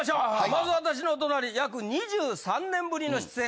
まず私の隣約２３年ぶりの出演